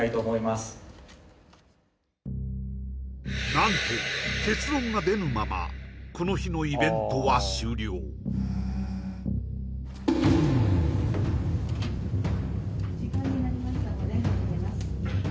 何と結論が出ぬままこの日のイベントは終了時間になりましたので始めます